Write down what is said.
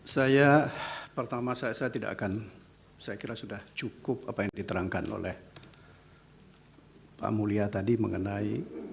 saya pertama saya tidak akan saya kira sudah cukup apa yang diterangkan oleh pak mulia tadi mengenai